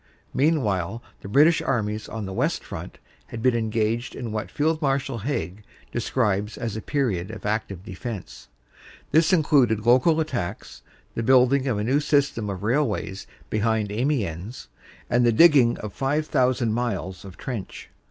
Meanwhile the British armies on the West Front had been engaged in what Field Marshal Haig describes as a period of active defense. This included local attacks, the building of a new system of railways behind Amiens, and the digging of five thousand miles of trench.